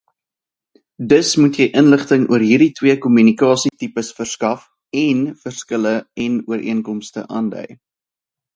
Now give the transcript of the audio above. Dus moet jy inligting oor hierdie twee kommunikasietipes verskaf, én verskille en ooreenkomste aandui.